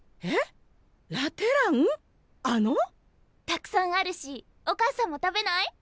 たくさんあるしお母さんも食べない？